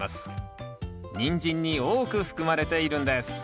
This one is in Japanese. ニンジンに多く含まれているんです。